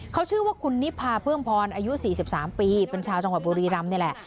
เขาชื่อว่าคุณนิพพาเผื่องพรอายุสี่สิบสามปีเป็นชาวจังหวัดบูรีรำนี่แหละ